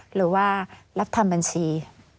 หรือว่ารับทำบัญชี